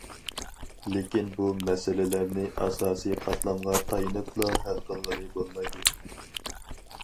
لېكىن بۇ مەسىلىلەرنى ئاساسىي قاتلامغا تايىنىپلا ھەل قىلغىلى بولمايدۇ.